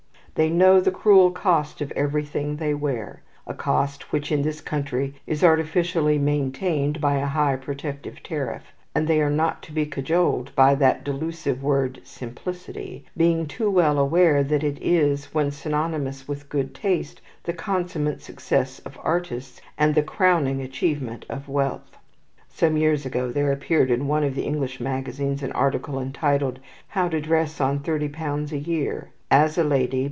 They know the cruel cost of everything they wear, a cost which in this country is artificially maintained by a high protective tariff, and they are not to be cajoled by that delusive word "simplicity," being too well aware that it is, when synonymous with good taste, the consummate success of artists, and the crowning achievement of wealth. Some years ago there appeared in one of the English magazines an article entitled, "How to Dress on Thirty Pounds a Year. As a Lady.